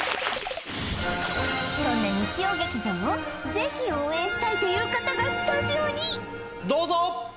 そんな日曜劇場をぜひ応援したいという方がスタジオにどうぞ！